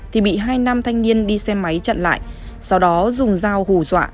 thì bị hai nam thanh niên đi xe máy chặn lại sau đó dùng dao hù dọa